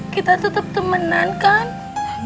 kita tetep temenan kan